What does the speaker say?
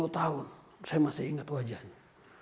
sepuluh tahun saya masih ingat wajahnya